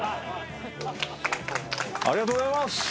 ありがとうございます！